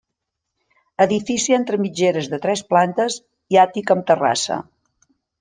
Edifici entre mitgeres de tres plantes i àtic amb terrassa.